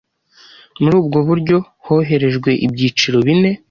Muri ubwo buryo, hoherejwe ibyiciro bine